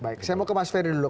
baik saya mau ke mas ferry dulu